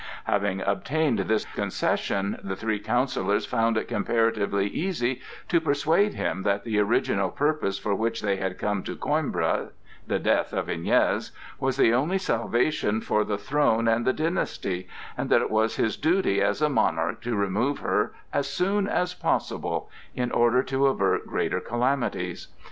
Having obtained this concession, the three counsellors found it comparatively easy to persuade him that the original purpose for which they had come to Coimbra—the death of Iñez—was the only salvation for the throne and the dynasty, and that it was his duty as a monarch to remove her as soon as possible in order to avert greater calamities.